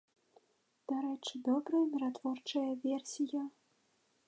Дарэчы, добрая міратворчая версія.